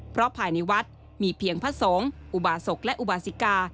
เพราะภายในวัดมีเพียงพระสงฆ์อุบาศกและอุบาสิกา